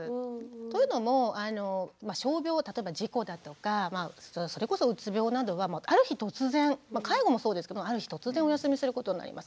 というのも傷病例えば事故だとかそれこそうつ病などはある日突然介護もそうですけどある日突然お休みすることになります。